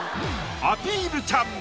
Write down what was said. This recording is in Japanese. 「アピルちゃん」